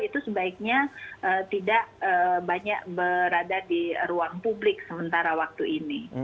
itu sebaiknya tidak banyak berada di ruang publik sementara waktu ini